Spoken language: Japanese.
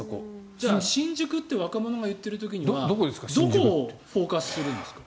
じゃあ、新宿って若者が言っている時はどこをフォーカスしてるんですか？